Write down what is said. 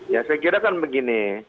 ya saya kira kan begini